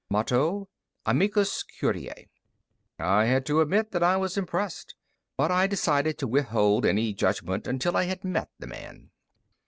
_ Motto: Amicus Curiae. I had to admit that I was impressed, but I decided to withhold any judgment until I had met the man.